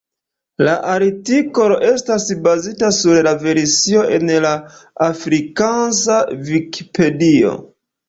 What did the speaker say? La artikolo estas bazita sur la versio en la afrikansa Vikipedio.